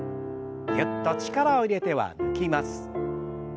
ぎゅっと力を入れては抜きます。